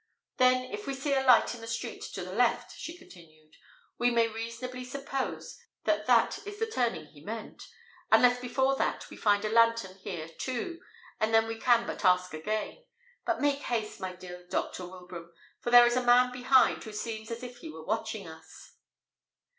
"Then, if we see a light in the street to the left," she continued, "we may reasonably suppose that that is the turning he meant, unless before that we find a lantern here too, and then we can but ask again. But make haste, my dear Dr. Wilbraham, for there is a man behind who seems as if he were watching us!"